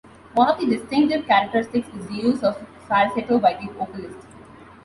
One of the distinctive characteristics is the use of a falsetto by the vocalist.